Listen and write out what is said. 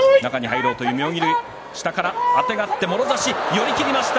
寄り切りました。